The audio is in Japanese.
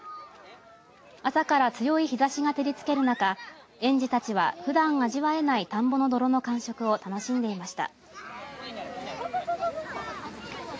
朝から強い日ざしが照りつける中園児たちは、ふだん味わえない田んぼの泥の感触を楽しんでいました。